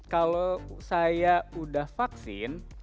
kalau saya udah vaksin